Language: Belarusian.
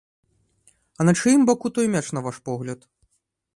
А на чыім баку той мяч, на ваш погляд?